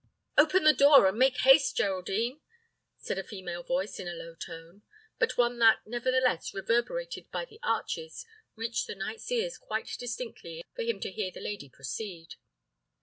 "Open the door, and make haste, Geraldine," said a female voice, in a low tone, but one that, nevertheless, reverberated by the arches, reached the knight's ears quite distinctly enough for him to hear the lady proceed.